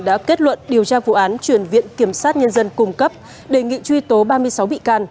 đã kết luận điều tra vụ án chuyển viện kiểm sát nhân dân cung cấp đề nghị truy tố ba mươi sáu bị can